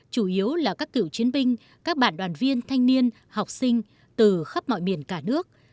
chủ yếu là các cựu chiến binh các bạn đoàn viên thanh niên học sinh từ khắp mọi miền cả nước